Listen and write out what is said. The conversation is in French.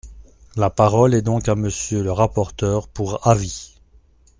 La parole est donc à Monsieur le rapporteur pour avis.